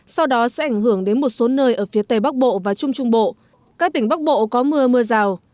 sau đó sẽ ảnh hưởng đến một số nơi ở phía tây bắc bộ và trung trung bộ các tỉnh bắc bộ có mưa mưa rào